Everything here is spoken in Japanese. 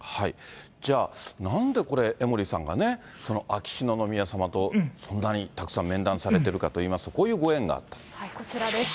じゃあ、なんでこれ、江森さんが秋篠宮さまとそんなにたくさん面談されてるかといいまこちらです。